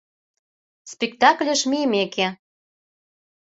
Спектакльыш мийымеке